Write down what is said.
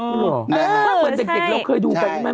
อ๋อใช่เปิดเด็กแล้วเคยดูกันไหม